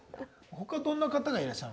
ほかどんな方がいらっしゃるんですか？